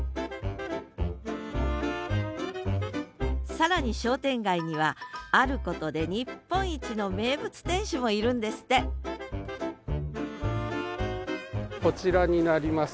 更に商店街にはあることで日本一の名物店主もいるんですってこちらになります。